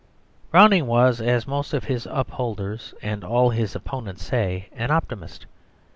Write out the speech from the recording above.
Browning was, as most of his upholders and all his opponents say, an optimist.